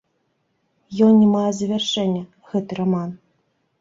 Ён не мае завяршэння, гэты раман.